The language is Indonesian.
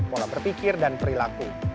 pola berpikir dan perilaku